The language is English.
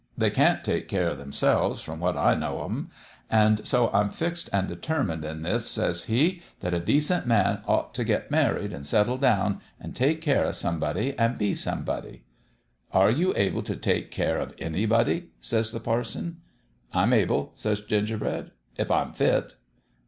They can't take care o' themselves, from what / know o' them. An' so I'm fixed an' determined in this,' 206 That MEASURE of LOYE says he, ' that a decent man ought t' get married, an* settle down, an' take care o' somebody, an' be somebody.' "* Are you able t* take care of anybody ?' says the parson. "' I'm able/ says Gingerbread, ' if I'm fit.'